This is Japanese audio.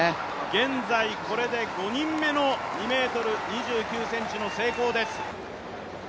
現在これで５人目の２ｍ２９ｃｍの成功です。